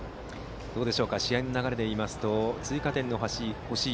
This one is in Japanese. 試合の流れでいいますと追加点の欲しい